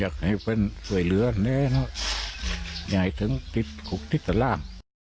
อยากให้เป็นสวยเหลือแน่นะอยากให้ถึงติดขุบติดตะล่าง